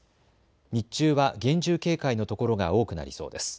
日中は厳重警戒のところが多くなりそうです。